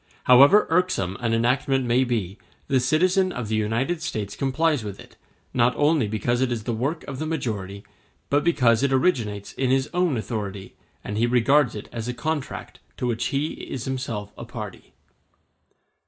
However irksome an enactment may be, the citizen of the United States complies with it, not only because it is the work of the majority, but because it originates in his own authority, and he regards it as a contract to which he is himself a party.